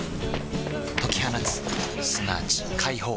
解き放つすなわち解放